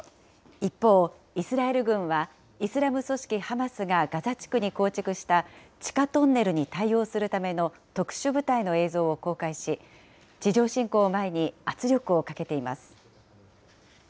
一方、イスラエル軍はイスラム組織ハマスがガザ地区に構築した、地下トンネルに対応するための特殊部隊の映像を公開し、地上侵攻を前に圧力をかけています。